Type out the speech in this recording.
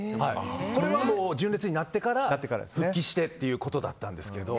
これはもう純烈になってから復帰してということだったんですけど。